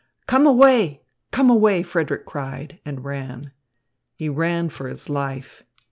"Come away, come away!" Frederick cried, and ran. He ran for his life.